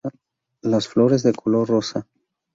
Las flores de color rosa.